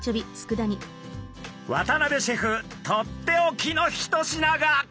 渡邊シェフとっておきの一品が。